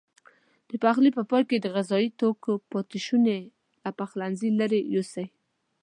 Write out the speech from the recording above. د پخلي په پای کې د غذايي توکو پاتې شونې له پخلنځي لیرې یوسئ.